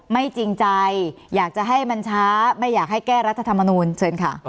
จริงใจอยากจะให้มันช้าไม่อยากให้แก้รัฐธรรมนูญเชิญค่ะ